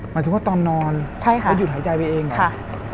หมายถึงว่าตอนนอนใช่ค่ะแล้วหยุดหายใจไปเองค่ะ